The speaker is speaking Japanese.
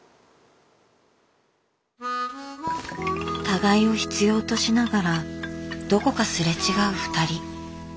互いを必要としながらどこかすれ違うふたり。